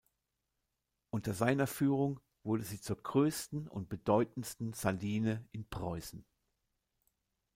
Unter seiner Führung wurde sie zur größten und bedeutendsten Saline in Preußen.